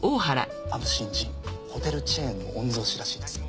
あの新人ホテルチェーンの御曹子らしいですよ。